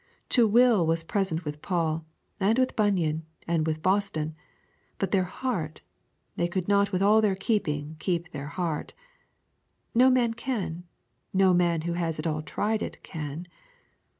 To will was present with Paul, and with Bunyan, and with Boston; but their heart they could not with all their keeping keep their heart. No man can; no man who has at all tried it can.